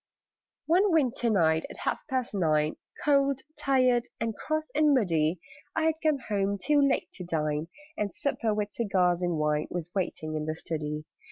One winter night, at half past nine, Cold, tired, and cross, and muddy, I had come home, too late to dine, And supper, with cigars and wine, Was waiting in the study.